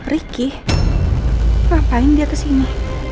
ricky ngapain dia kesini